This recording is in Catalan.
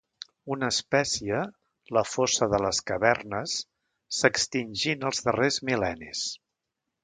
Una espècie, la fossa de les cavernes, s'extingí en els darrers mil·lennis.